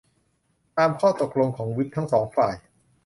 ตามข้อตกลงของวิปทั้งสองฝ่าย